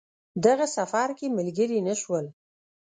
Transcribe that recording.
دغه سفر کې ملګري نه شول.